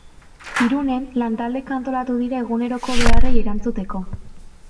Irunen lantaldeka antolatu dira eguneroko beharrei erantzuteko.